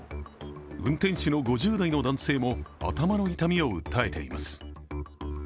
運転手の５０代の男性も頭の痛みを訴えています。